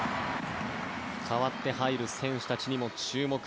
代わって入る選手たちにも注目。